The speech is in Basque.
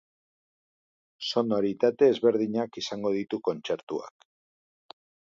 Sonoritate ezberdinak izango ditu kontzertuak.